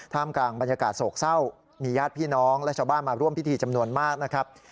กลางบรรยากาศโศกเศร้ามีญาติพี่น้องและชาวบ้านมาร่วมพิธีจำนวนมากนะครับ